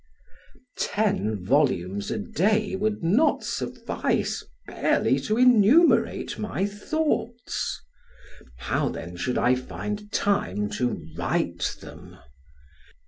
Ten volumes a day would not suffice barely to enumerate my thoughts; how then should I find time to write them?